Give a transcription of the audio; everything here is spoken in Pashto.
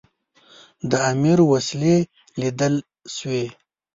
د امیر وسلې لیدل سوي.